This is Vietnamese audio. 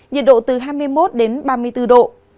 nhiệt độ từ hai mươi một đến ba mươi bốn độ